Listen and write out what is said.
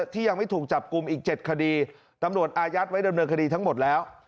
ที่ยังไม่ถูกจับกลุ่มอีก๗คดีตำรวจอายัดไว้ดำเนินคดีทั้งหมดแล้ว